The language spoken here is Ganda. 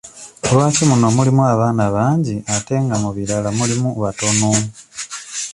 Lwaki muno mulimu abaana bangi ate nga mu birala mulimu batono?